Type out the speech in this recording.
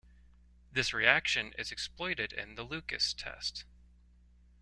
This reaction is exploited in the Lucas test.